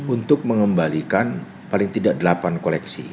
untuk mengembalikan paling tidak delapan koleksi